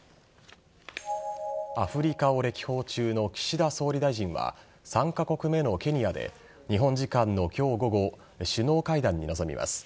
アフリカを歴訪中の岸田総理大臣は３カ国目のケニアで日本時間の今日午後首脳会談に臨みます。